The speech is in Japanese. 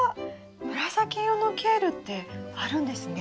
紫色のケールってあるんですね。